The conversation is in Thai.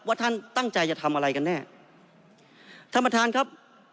ท่านตั้งใจจะทำอะไรกันแน่ท่านประธานครับ